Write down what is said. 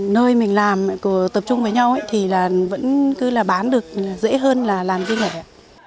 nơi mình làm tập trung với nhau ấy thì là vẫn cứ là bán được dễ hơn là làm riêng này ạ